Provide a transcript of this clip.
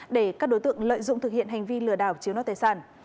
để các đối tượng lợi dụng thực hiện hành vi lừa đảo chiếu nọt tài sản